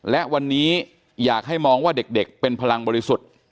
และวันนี้อยากให้มองว่าเด็กเป็นพลังบริสุทธิ์